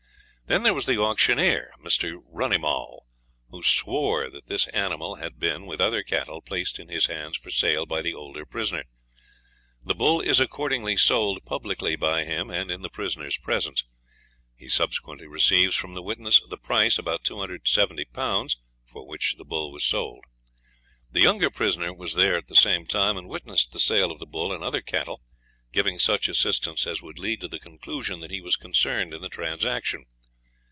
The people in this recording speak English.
Then there was the auctioneer, Mr. Runnimall, who swore that this animal had been, with other cattle, placed in his hands for sale by the older prisoner. The bull is accordingly sold publicly by him, and in the prisoner's presence. He subsequently receives from the witness the price, about 270 Pounds, for which the bull was sold. The younger prisoner was there at the same time, and witnessed the sale of the bull and other cattle, giving such assistance as would lead to the conclusion that he was concerned in the transaction.